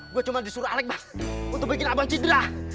gue cuma disuruh alec bang untuk bikin abang cedera